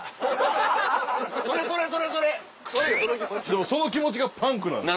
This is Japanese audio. でもその気持ちがパンクなんです。